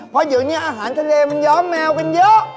เพราะอยู่นี้อาหารทะเลมันเยาะแมวกันเยอะ